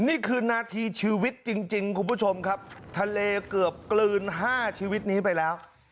นี่คือนาทีชีวิตจริงคุณผู้ชมครับทะเลเกือบกลืน๕ชีวิตนี้ไปแล้ว